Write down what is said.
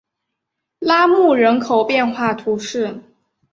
拉穆人口变化图示